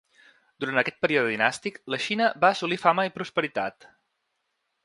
Durant aquest període dinàstic la Xina va assolir fama i prosperitat.